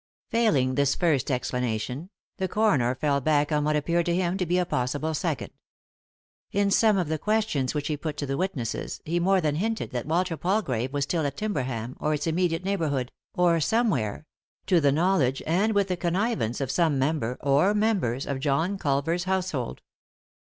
Failing this first explanation, the coroner fell back on what appeared to him to be a possible second. In some of the questions which he put to witnesses he more than hinted that Walter Palgrave was still at Timberham, or its immediate neighbour hood — or somewhere — to the knowledge and with the connivance of some member or members of John Culver's household.